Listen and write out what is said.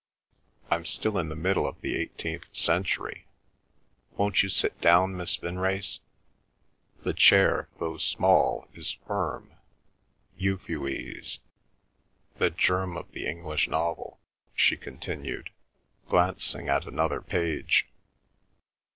I'm still in the middle of the eighteenth century. Won't you sit down, Miss Vinrace? The chair, though small, is firm. ... Euphues. The germ of the English novel," she continued, glancing at another page.